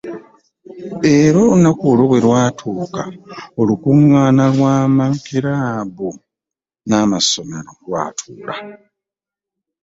Naye olunaku olwo bwe lwatuuka, olukuŋŋaana lw’amakiraabu n’amasomero lwatuula.